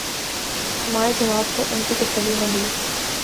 ہمارے جواب سے ان کی تسلی نہ ہوئی۔